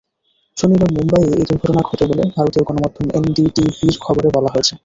শনিবার মুম্বাইয়ে এই দুর্ঘটনা ঘটে বলে ভারতীয় গণমাধ্যম এনডিটিভির খবরে বলা হয়েছে।